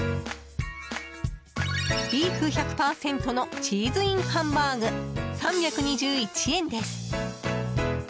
ビーフ１００％のチーズインハンバーグ３２１円です。